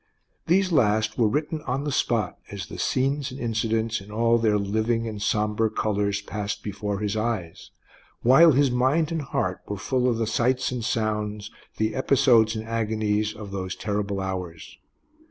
These last were written on the spot, as the scenes and incidents, in all their living and sombre colors, passed before his eyes, while his mind and heart were full of the sights and sounds, the episodes and agonies, of those terrible hours.